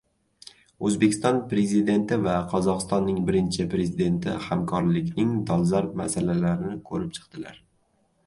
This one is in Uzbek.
O‘zbekiston Prezidenti va Qozog‘istonning Birinchi Prezidenti hamkorlikning dolzarb masalalarini ko‘rib chiqdilar